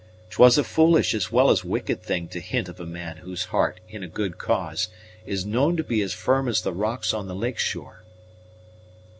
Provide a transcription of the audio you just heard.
'Twas a foolish, as well as wicked thing to hint of a man whose heart, in a good cause, is known to be as firm as the rocks on the lake shore."